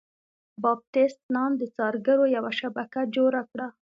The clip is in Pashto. باپټیست نان د څارګرو یوه شبکه جوړه کړه.